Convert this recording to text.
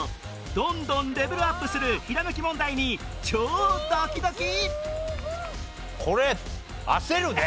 どんどんレベルアップするひらめき問題に超ドキドキ！